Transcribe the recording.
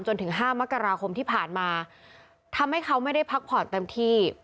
จนถึงห้ามกราคมที่ผ่านมาทำให้เขาไม่ได้พักผ่อนเต็มที่